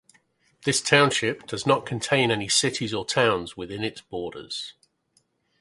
This township does not contain any cities or towns within its borders.